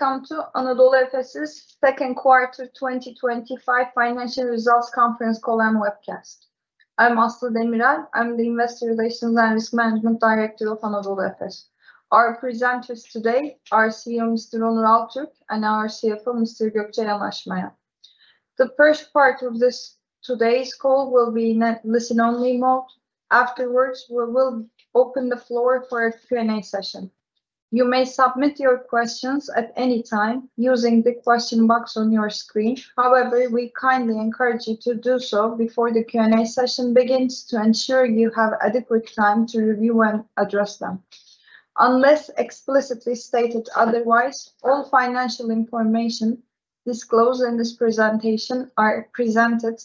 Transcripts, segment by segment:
Welcome to Anadolu Efes' Second Quarter 2025 Financial Results Conference Call and Webcast. I'm Aslı Kılıç Demirel, I'm the Investor Relations and Risk Management Director of Anadolu Efes. Our presenters today are CEO Mr. Onur Altürk and our CFO Mr. Gökçe Yanaşmayan. The first part of today's call will be a listen-only mode. Afterwards, we will open the floor for a Q&A session. You may submit your questions at any time using the question box on your screen. However, we kindly encourage you to do so before the Q&A session begins to ensure you have adequate time to review and address them. Unless explicitly stated otherwise, all financial information disclosed in this presentation is presented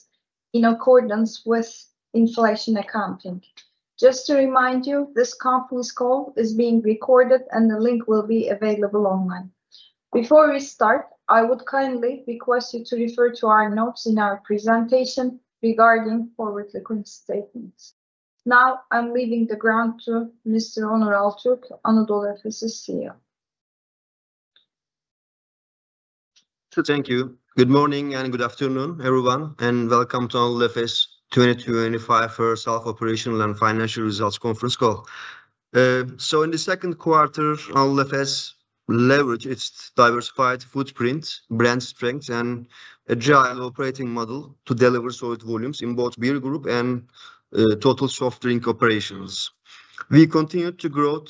in accordance with inflationary accounting. Just to remind you, this conference call is being recorded and the link will be available online. Before we start, I would kindly request you to refer to our notes in our presentation regarding forward-looking statements. Now, I'm leaving the floor to Mr. Onur Altürk, Anadolu Efes' CEO. Thank you. Good morning and good afternoon, everyone, and welcome to Anadolu Efes' 2025 First Half Operational and Financial Results Conference Call. In the second quarter, Anadolu Efes leveraged its diversified footprint, brand strength, and agile operating model to deliver solid volumes in both beer group and total soft drink operations. We continued to grow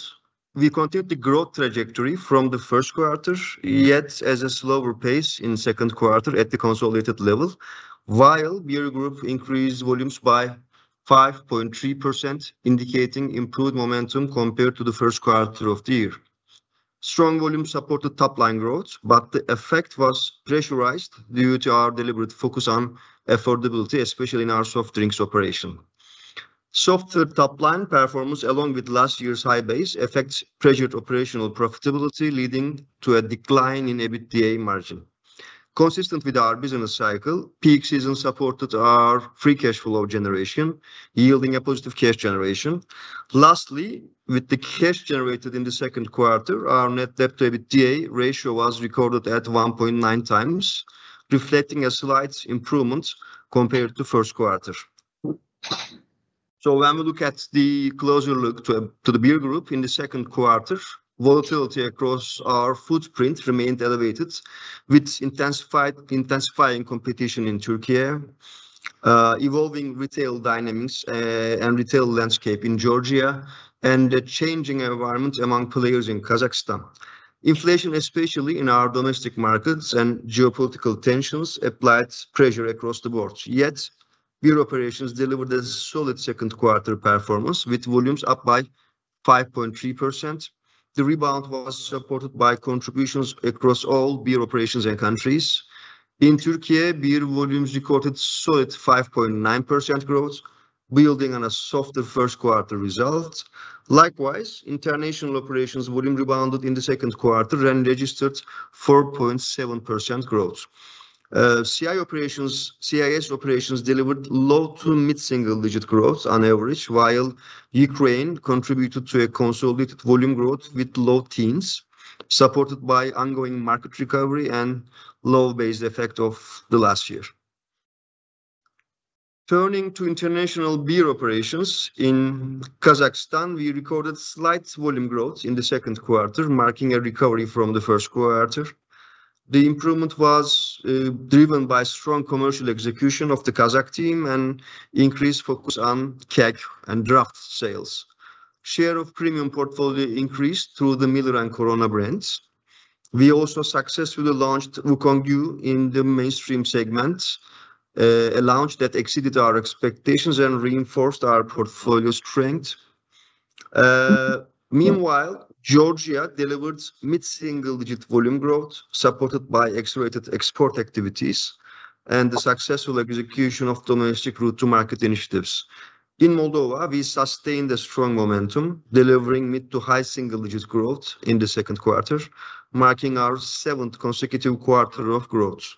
the growth trajectory from the first quarter, yet at a slower pace in the second quarter at the consolidated level, while beer group increased volumes by 5.3%, indicating improved momentum compared to the first quarter of the year. Strong volumes supported top line growth, but the effect was pressurized due to our deliberate focus on affordability, especially in our soft drinks operation. Softer top line performance, along with last year's high base, pressured operational profitability, leading to a decline in EBITDA margin. Consistent with our business cycle, peak season supported our free cash flow generation, yielding a positive cash generation. Lastly, with the cash generated in the second quarter, our net debt to EBITDA ratio was recorded at 1.9x, reflecting a slight improvement compared to the first quarter. When we look at the beer group in the second quarter, volatility across our footprint remained elevated, with intensifying competition in Türkiye, evolving retail dynamics and retail landscape in Georgia, and a changing environment among players in Kazakhstan. Inflation, especially in our domestic markets and geopolitical tensions, applied pressure across the board. Yet, beer operations delivered a solid second quarter performance with volumes up by 5.3%. The rebound was supported by contributions across all beer operations and countries. In Türkiye, beer volumes recorded solid 5.9% growth, building on a softer first quarter result. Likewise, international operations volume rebounded in the second quarter and registered 4.7% growth. CIS operations delivered low to mid-single-digit growth on average, while Ukraine contributed to consolidated volume growth with low teens, supported by ongoing market recovery and low base effect of last year. Turning to international beer operations, in Kazakhstan, we recorded slight volume growth in the second quarter, marking a recovery from the first quarter. The improvement was driven by strong commercial execution of the Kazakh team and increased focus on CAG and draft sales. Share of premium portfolio increased through the Miller and Corona brands. We also successfully launched Wukong Ju in the mainstream segment, a launch that exceeded our expectations and reinforced our portfolio strength. Meanwhile, Georgia delivered mid-single-digit volume growth, supported by accelerated export activities and the successful execution of domestic route-to-market initiatives. In Moldova, we sustained a strong momentum, delivering mid to high single-digit growth in the second quarter, marking our seventh consecutive quarter of growth.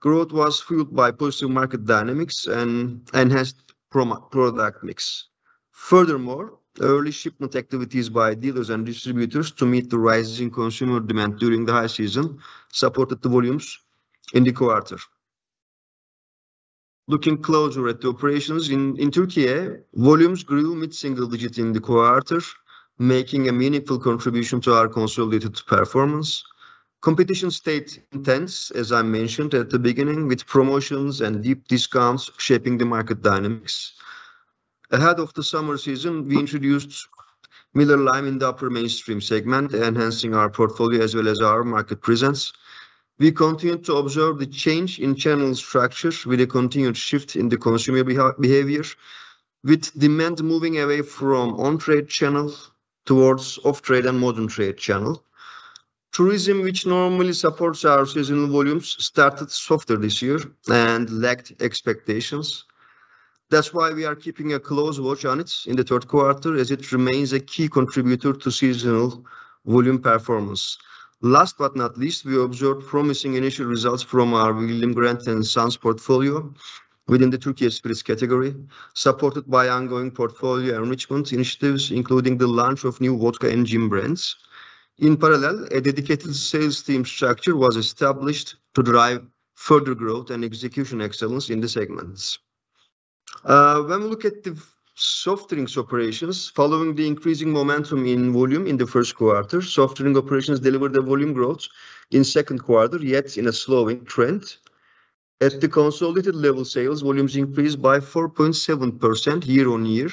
Growth was fueled by positive market dynamics and enhanced product mix. Furthermore, early shipment activities by dealers and distributors to meet the rising consumer demand during the high season supported the volumes in the quarter. Looking closer at the operations in Türkiye, volumes grew mid-single-digit in the quarter, making a meaningful contribution to our consolidated performance. Competition stayed intense, as I mentioned at the beginning, with promotions and deep discounts shaping the market dynamics. Ahead of the summer season, we introduced Miller Lime in the upper mainstream segment, enhancing our portfolio as well as our market presence. We continued to observe the change in channel structures with a continued shift in the consumer behavior, with demand moving away from on-trade channels towards off-trade and modern trade channels. Tourism, which normally supports our seasonal volumes, started softer this year and lacked expectations. That's why we are keeping a close watch on it in the third quarter, as it remains a key contributor to seasonal volume performance. Last but not least, we observed promising initial results from our William Grant & Sons portfolio within the Türkiye Spirits category, supported by ongoing portfolio enrichment initiatives, including the launch of new vodka and gin brands. In parallel, a dedicated sales team structure was established to drive further growth and execution excellence in the segments. When we look at the soft drinks operations, following the increasing momentum in volume in the first quarter, soft drink operations delivered a volume growth in the second quarter, yet in a slowing trend. At the consolidated level, sales volumes increased by 4.7% year-on-year,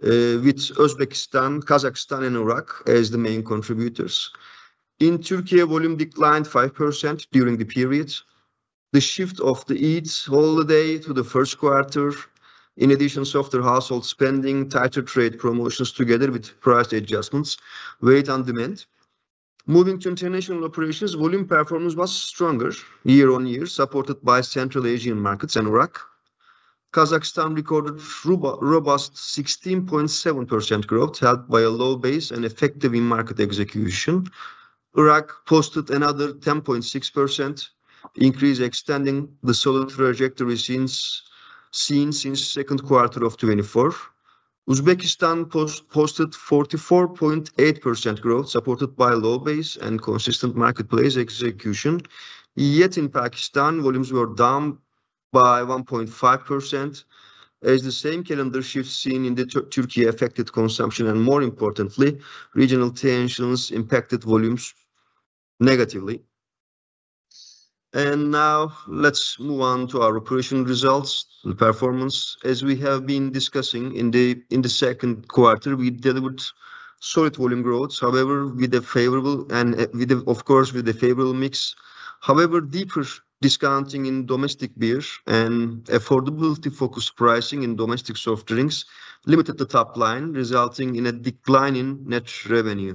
with Uzbekistan, Kazakhstan, and Iraq as the main contributors. In Türkiye, volume declined 5% during the period. The shift of the Eid holiday to the first quarter, in addition to softer household spending, tighter trade promotions together with price adjustments, weighed on demand. Moving to international operations, volume performance was stronger year on year, supported by Central Asian markets and Iraq. Kazakhstan recorded a robust 16.7% growth, helped by a low base and effective in-market execution. Iraq posted another 10.6% increase, extending the solid trajectory seen since the second quarter of 2024. Uzbekistan posted 44.8% growth, supported by low base and consistent marketplace execution. Yet in Pakistan, volumes were down by 1.5%, as the same calendar shift seen in Türkiye affected consumption and, more importantly, regional tensions impacted volumes negatively. Now, let's move on to our operational results. The performance, as we have been discussing, in the second quarter, we delivered solid volume growth, with a favorable mix. However, deeper discounting in domestic beer and affordability-focused pricing in domestic soft drinks limited the top line, resulting in a decline in net revenue.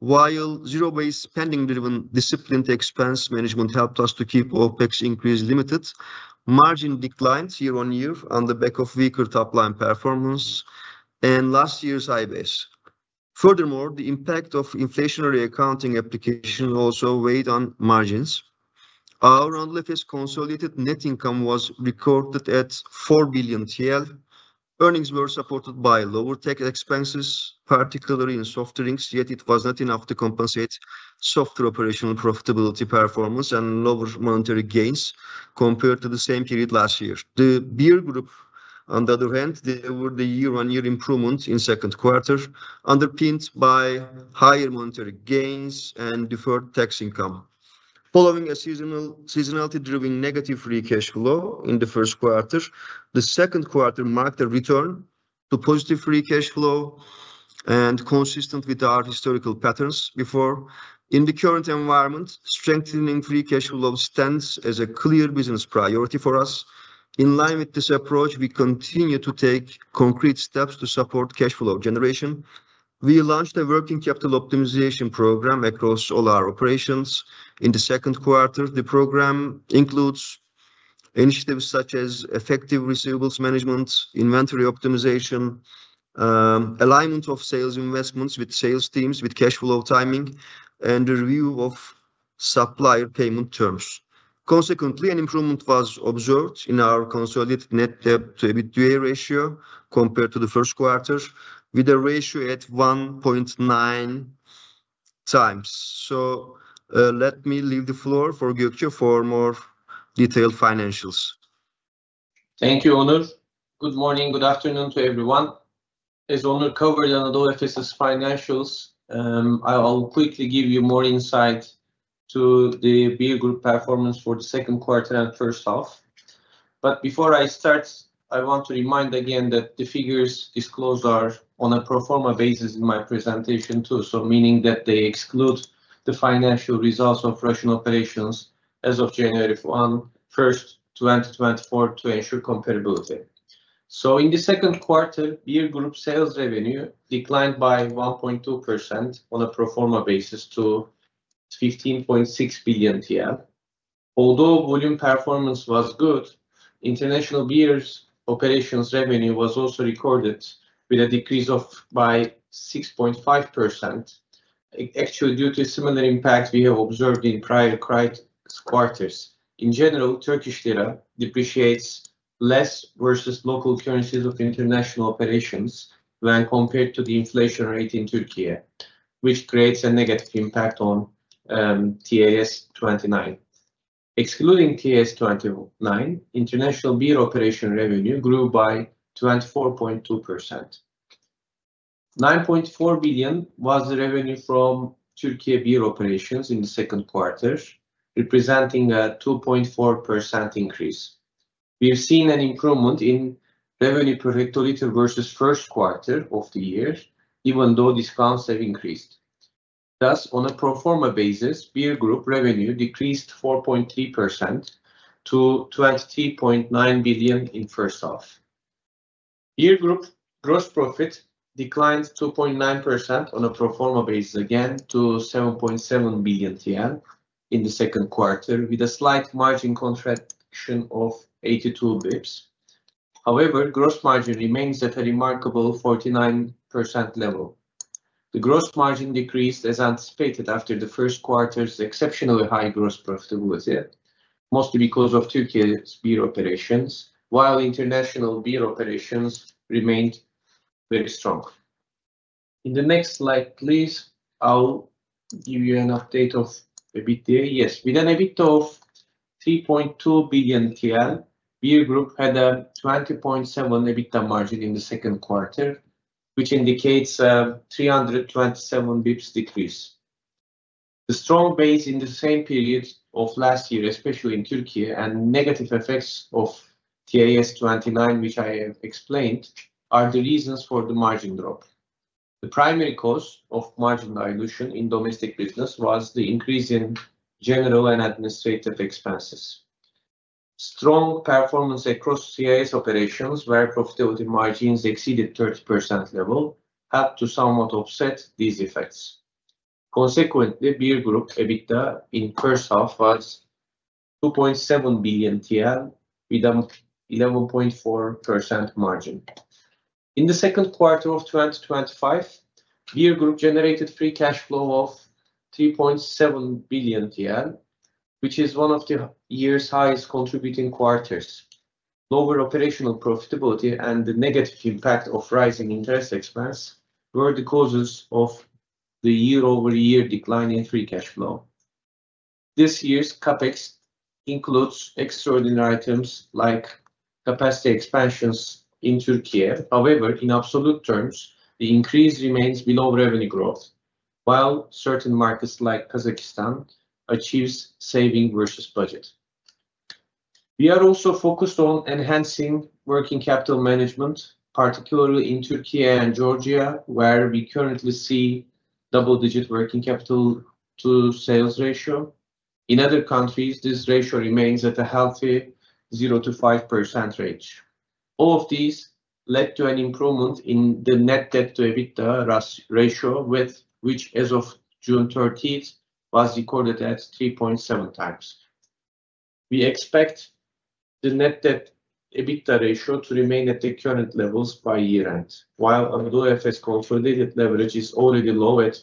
While zero-based spending-driven disciplined expense management helped us to keep OpEx increase limited, margin declined year on year on the back of weaker top line performance and last year's high base. Furthermore, the impact of inflationary accounting application also weighed on margins. Our Anadolu Efes consolidated net income was recorded at 4 billion TL. Earnings were supported by lower tax expenses, particularly in soft drinks, yet it was not enough to compensate softer operational profitability performance and lower monetary gains compared to the same period last year. The beer group, on the other hand, delivered a year-on-year improvement in the second quarter, underpinned by higher monetary gains and deferred tax income. Following a seasonality-driven negative free cash flow in the first quarter, the second quarter marked a return to positive free cash flow and was consistent with our historical patterns before. In the current environment, strengthening free cash flow stands as a clear business priority for us. In line with this approach, we continue to take concrete steps to support cash flow generation. We launched a working capital optimization program across all our operations in the second quarter. The program includes initiatives such as effective receivables management, inventory optimization, alignment of sales investments with sales teams with cash flow timing, and the review of supplier payment terms. Consequently, an improvement was observed in our consolidated net debt to EBITDA ratio compared to the first quarter, with a ratio at 1.9x. Let me leave the floor for Gökçe for more detailed financials. Thank you, Onur. Good morning, good afternoon to everyone. As Onur covered Anadolu Efes' financials, I'll quickly give you more insight to the beer group performance for the second quarter and first half. Before I start, I want to remind again that the figures disclosed are on a pro forma basis in my presentation too, meaning that they exclude the financial results of operational operations as of January 1, 2024, to ensure comparability. In the second quarter, beer group sales revenue declined by 1.2% on a pro forma basis to 15.6 billion TL. Although volume performance was good, international beer operations revenue was also recorded with a decrease of 6.5%, actually due to similar impacts we have observed in prior quarters. In general, Turkish lira depreciates less versus local currencies of international operations when compared to the inflation rate in Türkiye, which creates a negative impact on TAS29. Excluding TAS29, international beer operation revenue grew by 24.2%. 9.4 billion was the revenue from Türkiye beer operations in the second quarter, representing a 2.4% increase. We've seen an improvement in revenue per hectoliter versus the first quarter of the year, even though discounts have increased. Thus, on a pro forma basis, beer group revenue decreased 4.3% to 23.9 billion in the first half. Beer group gross profit declined 2.9% on a pro forma basis again to 7.7 billion TL in the second quarter, with a slight margin contraction of 82 bps. However, gross margin remains at a remarkable 49% level. The gross margin decreased as anticipated after the first quarter's exceptionally high gross profitability, mostly because of Türkiye's beer operations, while international beer operations remained very strong. In the next slide, please, I'll give you an update of EBITDA. Yes, with an EBITDA of 3.2 billion TL, beer group had a 20.7% EBITDA margin in the second quarter, which indicates a 327 bps decrease. The strong base in the same period of last year, especially in Türkiye, and negative effects of TAS29, which I explained, are the reasons for the margin drop. The primary cause of margin dilution in domestic business was the increase in general and administrative expenses. Strong performance across CIS operations, where profitability margins exceeded the 30% level, helped to somewhat offset these effects. Consequently, beer group EBITDA in the first half was 2.7 billion TL with an 11.4% margin. In the second quarter of 2025, beer group generated free cash flow of 3.7 billion TL, which is one of the year's highest contributing quarters. Lower operational profitability and the negative impact of rising interest expense were the causes of the year-over-year decline in free cash flow. This year's CapEx includes extraordinary items like capacity expansions in Türkiye. However, in absolute terms, the increase remains below revenue growth, while certain markets like Kazakhstan achieve savings versus budget. We are also focused on enhancing working capital management, particularly in Türkiye and Georgia, where we currently see double-digit working capital to sales ratio. In other countries, this ratio remains at a healthy 0%-5% range. All of these led to an improvement in the net debt to EBITDA ratio, which as of June 30th was recorded at 3.7x. We expect the net debt to EBITDA ratio to remain at the current levels by year-end. While Anadolu Efes' consolidated leverage is already low at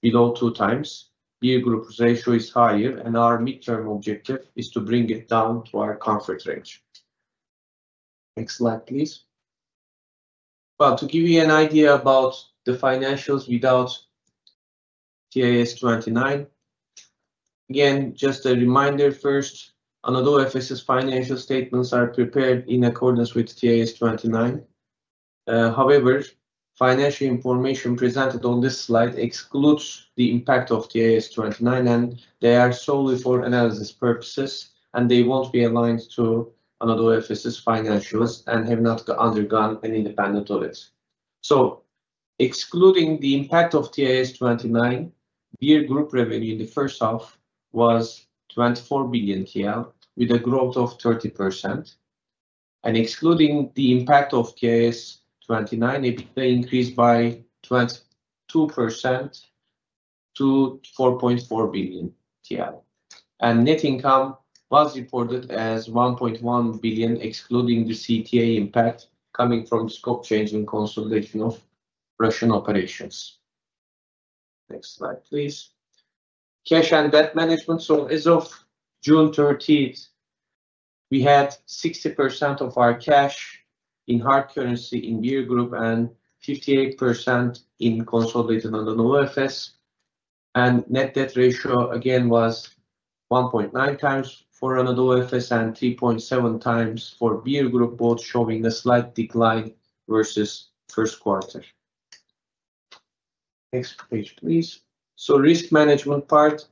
below 2x, beer group's ratio is higher, and our midterm objective is to bring it down to our comfort range. Next slide, please. To give you an idea about the financials without TAS29, again, just a reminder first, Anadolu Efes's financial statements are prepared in accordance with TAS29. However, financial information presented on this slide excludes the impact of TAS29, and they are solely for analysis purposes, and they won't be aligned to Anadolu Efes' financials and have not undergone an independent audit. Excluding the impact of TAS29, beer group revenue in the first half was 24 billion TL with a growth of 30%. Excluding the impact of TAS29, EBITDA increased by 22% to 4.4 billion TL. Net income was reported as 1.1 billion, excluding the CTA impact coming from the stock change and consolidation of Russian operations. Next slide, please. Cash and debt management. As of June 30th, we had 60% of our cash in hard currency in beer group and 58% in consolidated Anadolu Efes. Net debt ratio again was 1.9x for Anadolu Efes and 3.7x for Beer Group, both showing a slight decline versus the first quarter. Next page, please. Risk management part,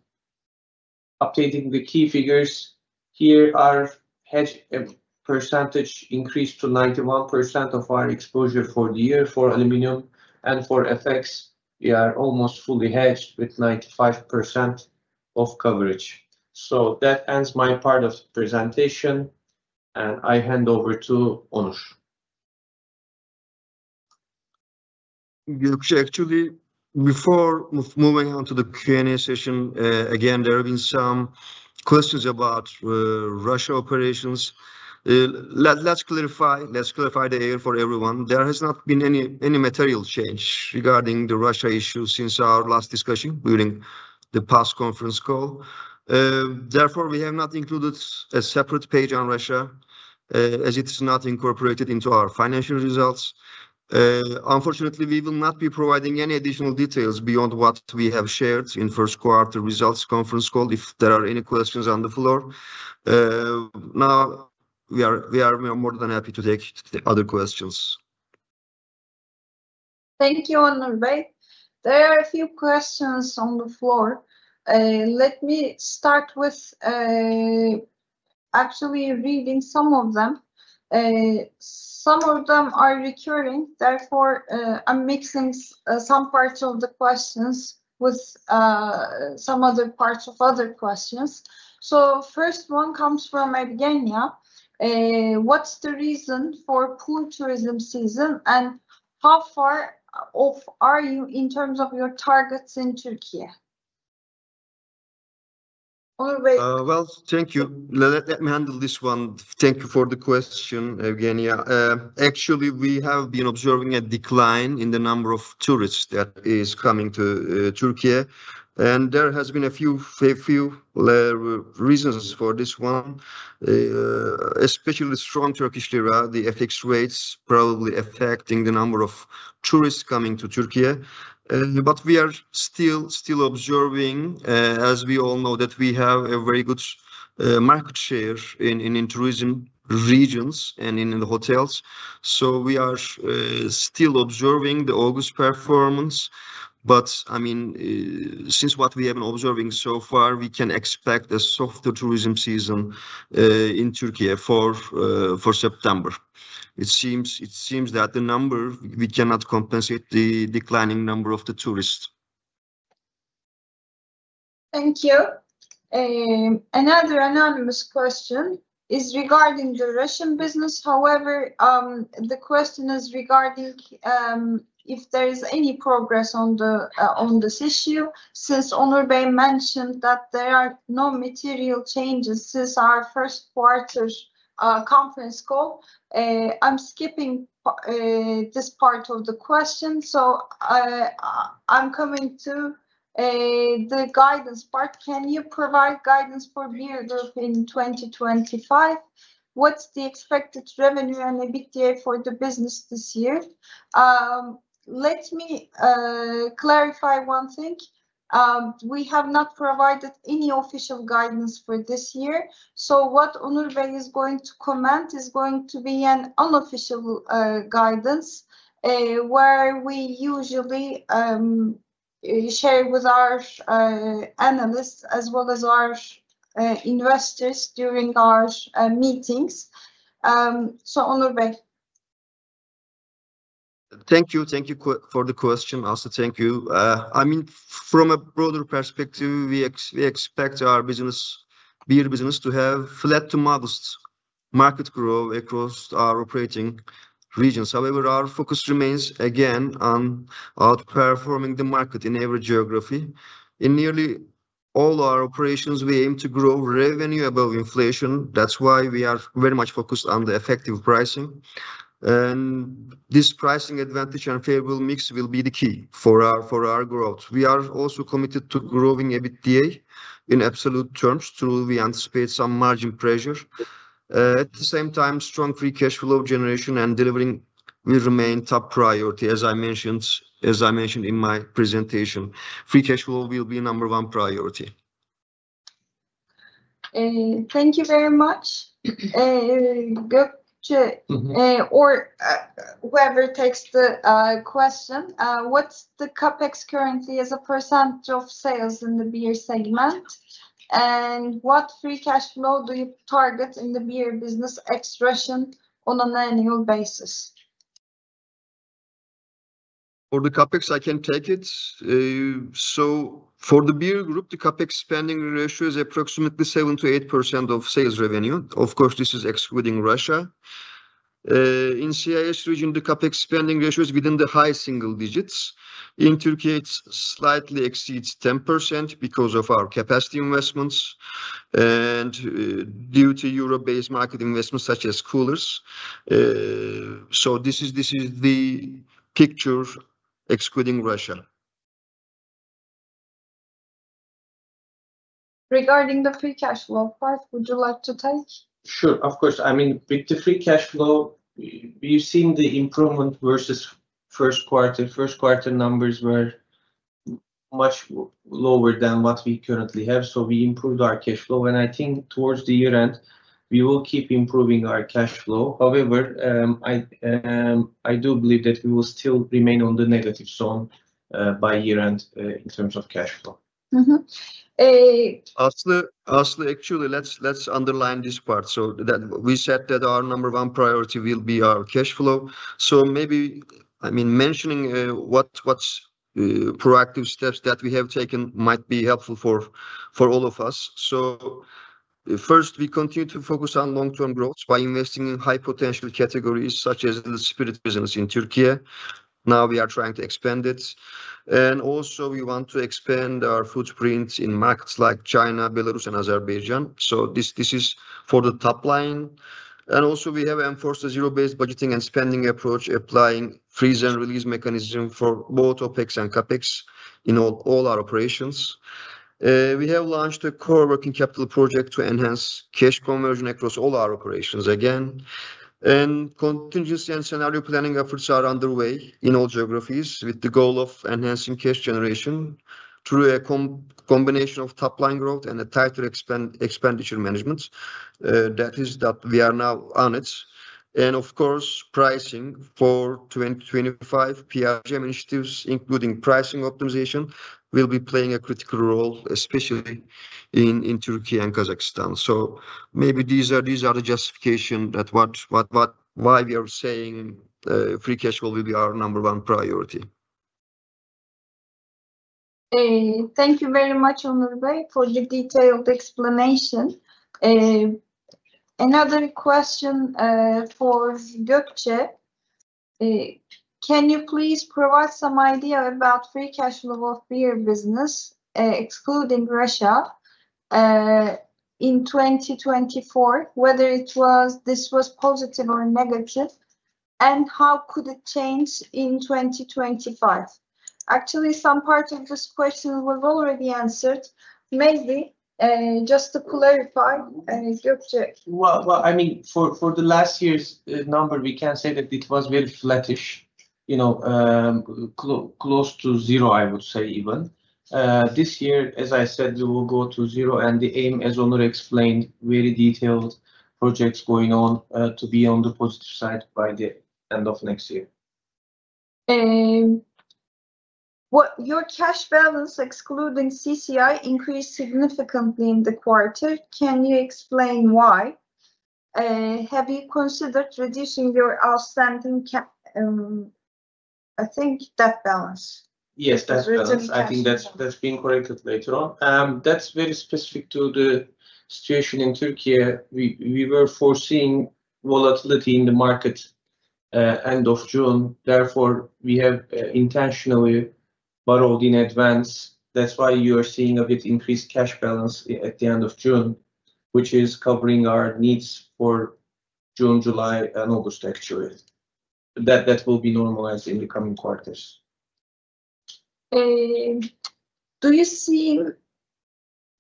updating the key figures. Here our hedge percentage increased to 91% of our exposure for the year for aluminum and for FX. We are almost fully hedged with 95% of coverage. That ends my part of the presentation, and I hand over to Onur. Gökçe, actually, before moving on to the Q&A session, there have been some questions about Russia operations. Let's clarify the air for everyone. There has not been any material change regarding the Russia issue since our last discussion during the past conference call. Therefore, we have not included a separate page on Russia, as it is not incorporated into our financial results. Unfortunately, we will not be providing any additional details beyond what we have shared in the first quarter results conference call. If there are any questions on the floor, now we are more than happy to take other questions. Thank you, Onur. There are a few questions on the floor. Let me start with actually reading some of them. Some of them are recurring. Therefore, I'm mixing some parts of the questions with some other parts of other questions. The first one comes from Evgenia. What's the reason for poor tourism season and how far off are you in terms of your targets in Türkiye? Thank you. Let me handle this one. Thank you for the question, Evgenia. Actually, we have been observing a decline in the number of tourists that is coming to Türkiye. There have been a few reasons for this one, especially the strong Turkish lira, the FX rates probably affecting the number of tourists coming to Türkiye. We are still observing, as we all know, that we have a very good market share in tourism regions and in the hotels. We are still observing the August performance. I mean, since what we have been observing so far, we can expect a softer tourism season in Türkiye for September. It seems that the number, we cannot compensate the declining number of the tourists. Thank you. Another anonymous question is regarding the Russian business. However, the question is regarding if there is any progress on this issue since Onur Bey mentioned that there are no material changes since our first quarter conference call. I'm skipping this part of the question. I'm coming to the guidance part. Can you provide guidance for beer group in 2025? What's the expected revenue and EBITDA for the business this year? Let me clarify one thing. We have not provided any official guidance for this year. What Onur is going to comment is going to be an unofficial guidance where we usually share with our analysts as well as our investors during our meetings. Onur. Thank you. Thank you for the question. Also, thank you. I mean, from a broader perspective, we expect our beer business to have flat to modest market growth across our operating regions. However, our focus remains, again, on outperforming the market in every geography. In nearly all our operations, we aim to grow revenue above inflation. That is why we are very much focused on the effective pricing. This pricing advantage and favorable mix will be the key for our growth. We are also committed to growing EBITDA in absolute terms, though we anticipate some margin pressure. At the same time, strong free cash flow generation and delivering will remain top priority, as I mentioned in my presentation. Free cash flow will be a number one priority. Thank you very much. Gökçe, or whoever takes the question, what's the CapEx-to-sales ratio in the beer segment? What free cash flow do you target in the beer business expression on an annual basis? For the CapEx, I can take it. For the Beer Group, the CapEx spending ratio is approximately 7%-8% of sales revenue. Of course, this is excluding Russia. In the CIS region, the CapEx spending ratio is within the high single digits. In Türkiye, it slightly exceeds 10% because of our capacity investments and due to Europe-based market investments such as coolers. This is the picture excluding Russia. Regarding the free cash flow part, would you like to take? Sure, of course. I mean, with the free cash flow, you've seen the improvement versus the first quarter. First quarter numbers were much lower than what we currently have. We improved our cash flow, and I think towards the year-end, we will keep improving our cash flow. However, I do believe that we will still remain on the negative zone by year-end in terms of cash flow. Aslı, actually, let's underline this part. We said that our number one priority will be our cash flow. Maybe mentioning what proactive steps that we have taken might be helpful for all of us. First, we continue to focus on long-term growth by investing in high-potential categories such as the spirit business in Türkiye. We are trying to expand it. We also want to expand our footprint in markets like China, Belarus, and Azerbaijan. This is for the top line. We have enforced a zero-based budgeting and spending approach, applying freeze and release mechanisms for both OpEx and CapEx in all our operations. We have launched a core working capital project to enhance cash conversion across all our operations again. Contingency and scenario planning efforts are underway in all geographies with the goal of enhancing cash generation through a combination of top line growth and a tighter expenditure management. That is that we are now on it. Of course, pricing for 2025 PRGM initiatives, including pricing optimization, will be playing a critical role, especially in Türkiye and Kazakhstan. Maybe these are the justifications that why we are saying free cash flow will be our number one priority. Thank you very much, Onur, for the detailed explanation. Another question for Gökçe. Can you please provide some idea about free cash flow of beer business, excluding Russia, in 2024, whether this was positive or negative, and how could it change in 2025? Actually, some parts of this question were already answered. Maybe just to clarify, Gökçe. For the last year's number, we can say that it was very flat-ish, you know, close to zero, I would say even. This year, as I said, we will go to zero, and the aim, as Onur explained, very detailed projects going on to be on the positive side by the end of next year. Your cash balance, excluding CCI, increased significantly in the quarter. Can you explain why? Have you considered reducing your outstanding debt balance? Yes, that's correct. I think that's been corrected later on. That's very specific to the situation in Türkiye. We were foreseeing volatility in the market end of June. Therefore, we have intentionally borrowed in advance. That's why you are seeing a bit increased cash balance at the end of June, which is covering our needs for June, July, and August, actually. That will be normalized in the coming quarters. Do you see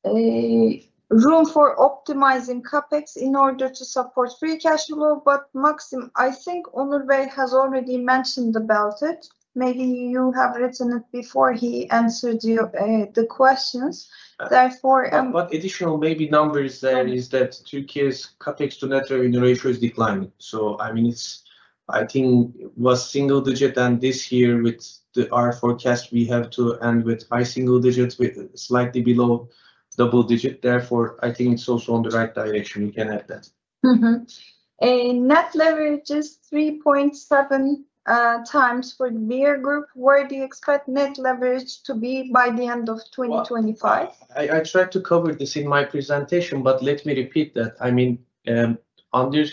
room for optimizing CapEx in order to support free cash flow? Maxim, I think Onur has already mentioned about it. Maybe you have written it before he answered your questions. Therefore. What additional maybe numbers there is that Türkiye's CapEx-to-net revenue rate has declined. I mean, it's, I think, it was single digit, and this year with our forecast, we have to end with high single digits, slightly below double digit. Therefore, I think it's also on the right direction. You can add that. Net leverage is 3.7x for the beer group. Where do you expect net leverage to be by the end of 2025? I tried to cover this in my presentation, but let me repeat that. I mean, under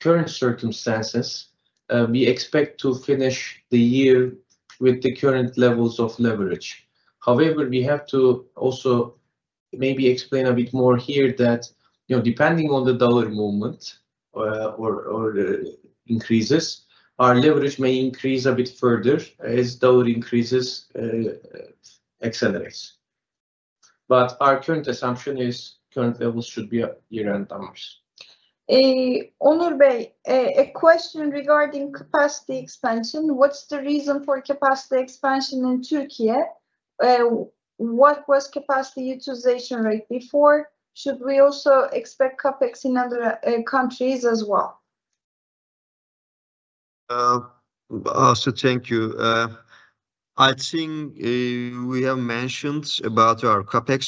current circumstances, we expect to finish the year with the current levels of leverage. However, we have to also maybe explain a bit more here that, you know, depending on the dollar movement or increases, our leverage may increase a bit further as dollar increases accelerate. Our current assumption is current levels should be year-end numbers. Onur, a question regarding capacity expansion. What's the reason for capacity expansion in Türkiye? What was capacity utilization rate before? Should we also expect CapEx in other countries as well? Thank you. I think we have mentioned about our CapEx.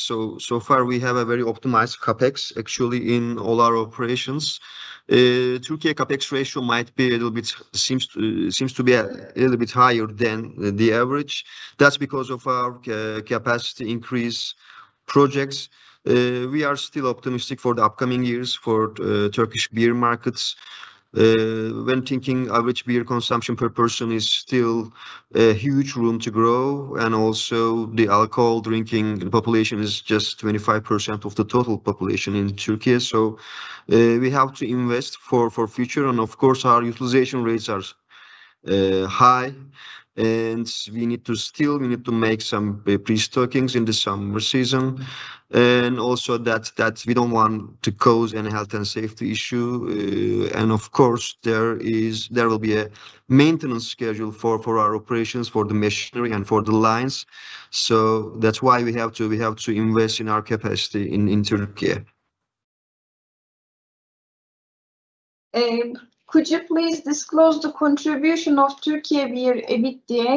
So far, we have a very optimized CapEx, actually, in all our operations. The Türkiye CapEx ratio might be a little bit, seems to be a little bit higher than the average. That's because of our capacity increase projects. We are still optimistic for the upcoming years for Turkish beer markets. When thinking average beer consumption per person, there is still a huge room to grow. Also, the alcohol drinking population is just 25% of the total population in Türkiye. We have to invest for the future. Of course, our utilization rates are high, and we need to still, we need to make some pre-stockings in the summer season. Also, we don't want to cause any health and safety issues. Of course, there will be a maintenance schedule for our operations, for the machinery, and for the lines. That's why we have to invest in our capacity in Türkiye. Could you please disclose the contribution of Türkiye beer EBITDA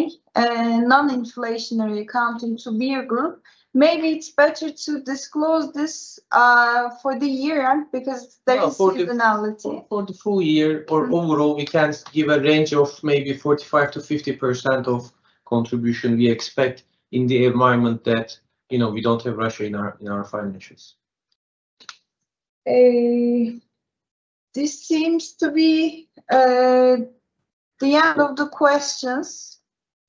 non-inflationary accounting to Beer Group? Maybe it's better to disclose this for the year-end because there is seasonality. For the full year, or overall, we can give a range of maybe 45%-50% of contribution we expect in the environment that, you know, we don't have Russia in our financials. This seems to be the end of the questions,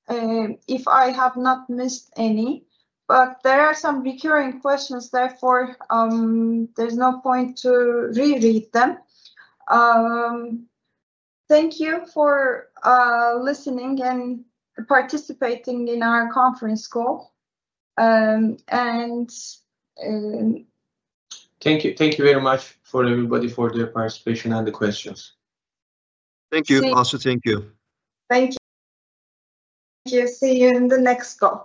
if I have not missed any. There are some recurring questions, therefore there's no point to reread them. Thank you for listening and participating in our conference call. Thank you. Thank you very much for everybody for their participation and the questions. Thank you. Thank you. Thank you. See you in the next call.